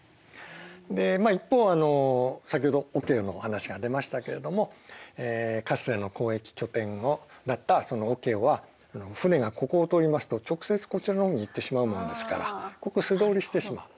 で一方先ほどオケオの話が出ましたけれどもかつての交易拠点だったオケオは船がここを通りますと直接こちらの方に行ってしまうもんですからここ素通りしてしまう。